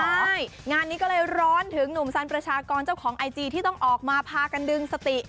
ใช่งานนี้ก็เลยร้อนถึงหนุ่มสันประชากรเจ้าของไอจีที่ต้องออกมาพากันดึงสติ